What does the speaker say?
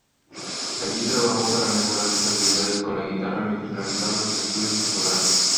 Allí trabajó para mejorar sus habilidades con la guitarra mientras realizaba sus estudios escolares.